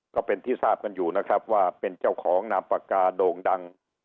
ก็เป็นที่ทราบกันอยู่นะครับว่าเป็นเจ้าของนามปากกาโด่งดัง